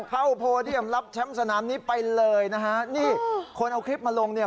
โพเดียมรับแชมป์สนามนี้ไปเลยนะฮะนี่คนเอาคลิปมาลงเนี่ย